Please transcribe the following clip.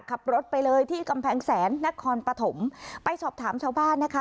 ขับรถไปเลยที่กำแพงแสนนครปฐมไปสอบถามชาวบ้านนะคะ